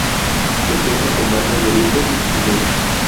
Se cuenta con bandas de viento y chinelos.